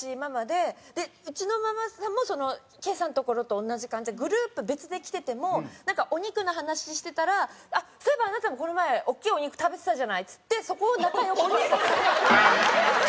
うちのママさんもケイさんのところと同じ感じでグループ別で来ててもなんかお肉の話してたら「そういえばあなたもこの前大きいお肉食べてたじゃない」っつってそこを仲良くさせて。